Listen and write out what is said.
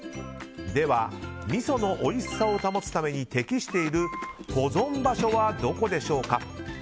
では、みそのおいしさを保つために適している保存場所はどこでしょうか。